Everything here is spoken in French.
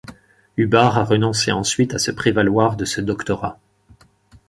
Hubbard a renoncé ensuite à se prévaloir de ce doctorat.